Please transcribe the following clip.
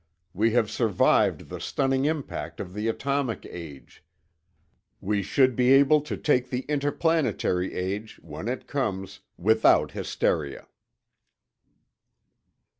We have survived the stunning impact of the Atomic Age. We should be able to take the Interplanetary Age, when it comes, without hysteria.